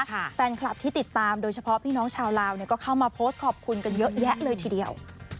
แฟนคลับที่ติดตามโดยเฉพาะพี่น้องชาวลาวเนี่ยก็เข้ามาโพสต์ขอบคุณกันเยอะแยะเลยทีเดียว